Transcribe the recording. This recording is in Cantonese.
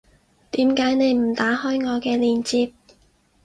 點解你唔打開我嘅鏈接